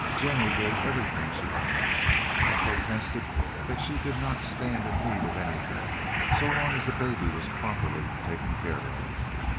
Jennie gave everything she earned, and protested that she did not stand in need of anything, so long as the baby was properly taken care of.